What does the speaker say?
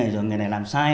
rồi người này làm sai